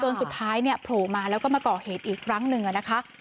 สุดท้ายเนี่ยโผล่มาแล้วก็มาก่อเหตุอีกครั้งหนึ่งนะคะ